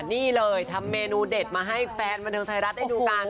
นี่เลยทำเมนูเด็ดมาให้แฟนบันเทิงไทยรัฐได้ดูกัน